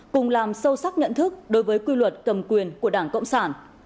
cùng làm sâu sắc nhận thức đối với quy luật cầm quyền của đảng cộng sản